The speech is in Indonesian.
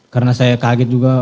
karena saya kaget juga